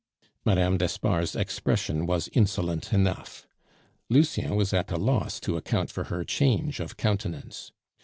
Mme. d'Espard's expression was insolent enough; Lucien was at a loss to account for her change of countenance.